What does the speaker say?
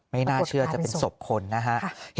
ไม่น่าเชื่อจะเป็นศพคนนะครับ